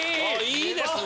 良いですね。